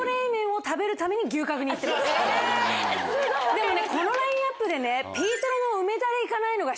でもこのラインアップでね。